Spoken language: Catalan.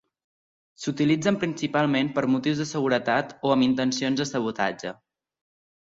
S'utilitzen principalment per motius de seguretat o amb intencions de sabotatge.